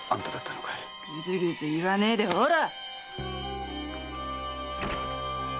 グズグズ言わねえでほら！